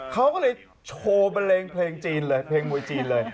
เขาก็เลยโชว์บันเลงเพลงจีนเลยเพลงมวยจีนเลย